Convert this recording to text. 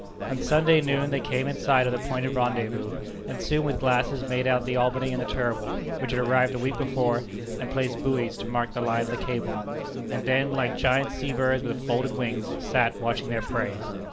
On Sunday noon they came in sight of the appointed rendezvous, and soon with glasses made out the Albany and the Terrible, which had arrived a week before and placed buoys to mark the line of the cable, and then, like giant sea birds with folded wings, sat watching their prey.